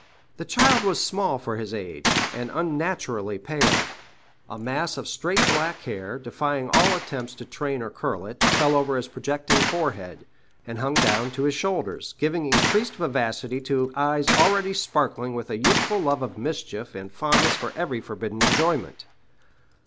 The child was small for his age, and unnaturally pale. A mass of straight black hair, defying all attempts to train or curl it, fell over his projecting forehead, and hung down to his shoulders, giving increased vivacity to eyes already sparkling with a youthful love of mischief and fondness for every forbidden enjoyment.